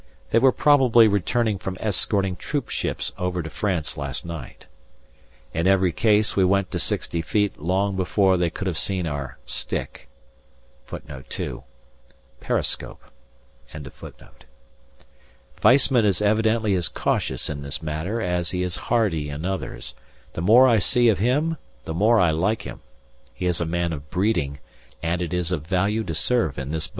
They were probably returning from escorting troopships over to France last night. In every case we went to sixty feet long before they could have seen our "stick." Weissman is evidently as cautious in this matter as he is hardy in others; the more I see of him the more I like him; he is a man of breeding, and it is of value to serve in this boat.